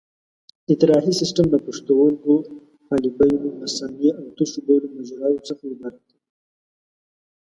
اطراحي سیستم له پښتورګو، حالبینو، مثانې او د تشو بولو مجراوو څخه عبارت دی.